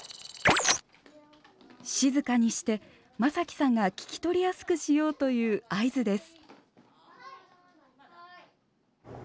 静かにしてまさきさんが聞き取りやすくしようという合図です。